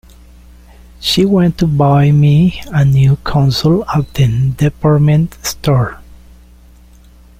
She went to buy me a new console at the department store.